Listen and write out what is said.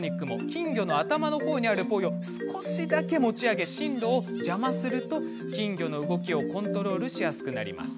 金魚の頭の方にあるポイを少しだけ持ち上げて進路を邪魔すると金魚の動きをコントロールしやすくなりますよ。